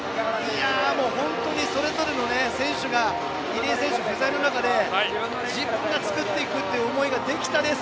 本当にそれぞれの選手が入江選手不在の中で自分が作っていくという思いができた中でのレース。